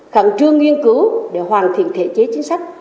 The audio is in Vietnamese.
khẩn trương nghiên cứu để hoàn thiện thể chế chính sách